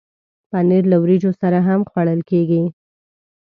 پنېر له وریجو سره هم خوړل کېږي.